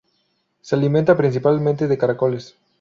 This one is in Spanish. Se alimenta principalmente de caracoles.